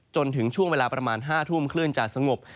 จนถึงช่วงเวลาประมาณ๕ทุ่มคลื่นจะสงบ